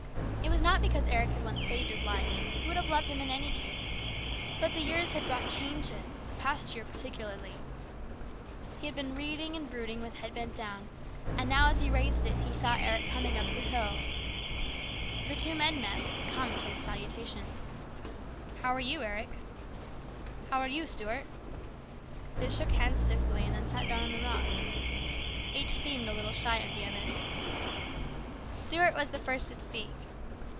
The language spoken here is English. It was not because Eric had once saved his life he would have loved him in any case ; but the years had brought changes, the past year particularly. THE GREAT STRIKE. 29 He had been reading and brooding with head bent down, and now, as he raised it, he saw Eric coming up the hill. The two men met with the commonplace salutations :" How are you, Eric ?"" How are you, Stuart ?" They shook hands stiffly, and then sat down on the rock. Each seemed a little shy of the other. Stuart was the first to speak.